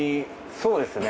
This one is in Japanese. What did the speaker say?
そうですね。